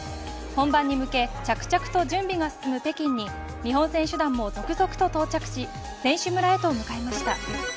本番に向け着々と準備が進む北京に日本選手団も続々と到着し選手村へと向かいました。